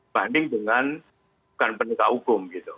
banding dengan pendekat hukum